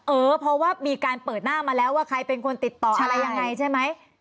เออเพราะว่ามีการเปิดหน้ามาแล้วว่าใครเป็นคนติดต่ออะไรยังไงใช่ไหม